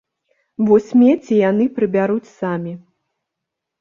Бо смецце яны прыбяруць самі.